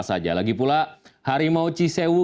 saja lagi pula harimau cisewu